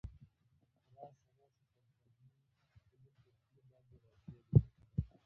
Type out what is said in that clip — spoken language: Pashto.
راسه راسه شل کلنی خوله پر خوله باندی را کښېږده